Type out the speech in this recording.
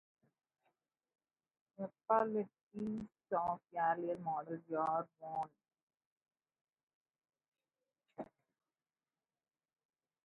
Epaulettes of earlier model were worn.